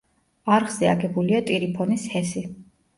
არხზე აგებულია ტირიფონის ჰესი.